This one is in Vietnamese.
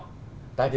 ta thấy nó rộng